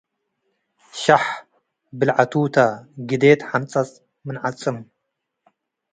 ሸሕ ብልዐቱተ ግዴት ሐንጽጽ ምን ዐጽም